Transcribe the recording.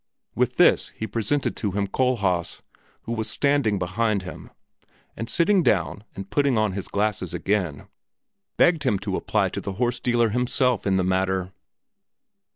With this he presented to him Kohlhaas who was standing behind him, and sitting down and putting on his glasses again, begged him to apply to the horse dealer himself in the matter.